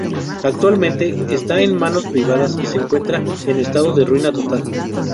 Actualmente está en manos privadas y se encuentra en estado de ruina total.